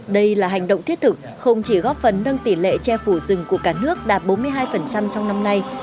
đây là hành động thiết thực không chỉ góp phần nâng tỷ lệ che phủ rừng của cả nước đạt bốn mươi hai trong năm nay